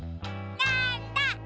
なんだ？